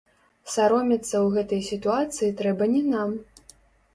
Саромецца ў гэтай сітуацыі трэба не нам.